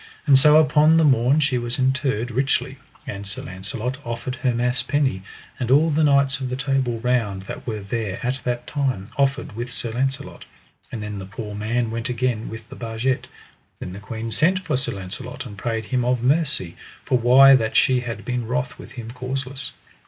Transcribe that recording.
And so upon the morn she was interred richly, and Sir Launcelot offered her mass penny; and all the knights of the Table Round that were there at that time offered with Sir Launcelot. And then the poor man went again with the barget. Then the queen sent for Sir Launcelot, and prayed him of mercy, for why that she had been wroth with him causeless.